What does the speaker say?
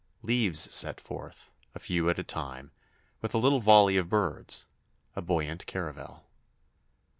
Leaves set forth, a few at a time, with a little volley of birds a buoyant caravel.